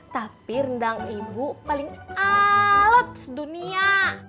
tapi rendang ibu paling alat sedunia